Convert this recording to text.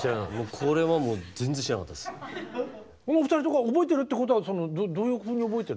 この２人とか覚えてるってことはどういうふうに覚えてる？